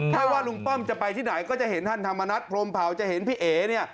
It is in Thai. ถ้าว่าลุงป้อมจะไปที่ไหนก็จะเห็นท่านธรรมนัฐพรมเผาจะเห็นพี่เอ๋เนี่ย